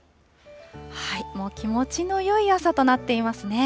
もう気持ちのよい朝となっていますね。